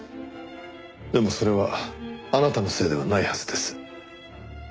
でもそれはあなたのせいではないはずです。